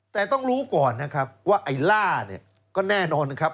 แต่ต้องรู้ก่อนนะครับว่าไอ้ล่าเนี่ยก็แน่นอนนะครับ